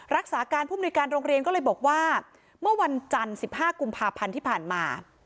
รักษาการผู้มนุยการโรงเรียนก็เลยบอกว่าเมื่อวันจันทร์๑๕กุมภาพันธ์ที่ผ่านมา